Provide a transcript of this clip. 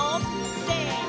せの！